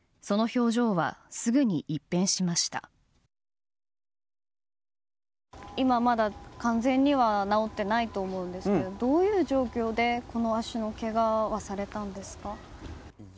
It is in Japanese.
今、まだ完全には治ってないと思うんですけどどういう状況でこの足のけがはされたんですか？